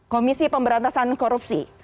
komisi pemberantasan korupsi